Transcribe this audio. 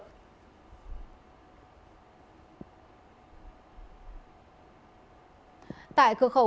cơ khẩu quốc gia